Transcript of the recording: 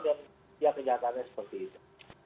dan setiap kenyataannya seperti itu